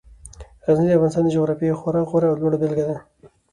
غزني د افغانستان د جغرافیې یوه خورا غوره او لوړه بېلګه ده.